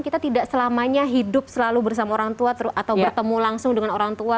kita tidak selamanya hidup selalu bersama orang tua atau bertemu langsung dengan orang tua